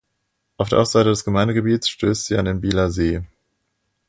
Auf der Ostseite des Gemeindegebietes stösst sie an den Bielersee.